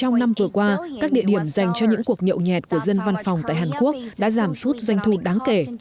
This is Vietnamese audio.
trong năm vừa qua các địa điểm dành cho những cuộc nhậu nhẹt của dân văn phòng tại hàn quốc đã giảm suốt doanh thu đáng kể